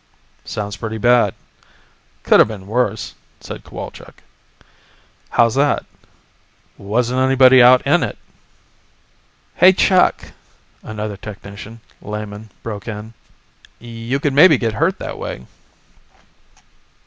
"Sounds pretty bad." "Could have been worse," said Cowalczk. "How's that?" "Wasn't anybody out in it." "Hey, Chuck," another technician, Lehman, broke in, "you could maybe get hurt that way."